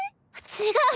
違う！